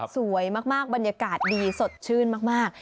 สวยมากบรรยากาศดีสดชื่นมาก